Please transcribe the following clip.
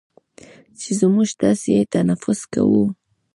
چې موږ تاسې یې تنفس کوو،